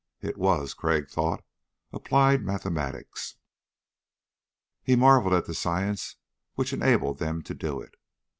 It was, Crag thought, applied mathematics. He marveled at the science which enabled them to do it.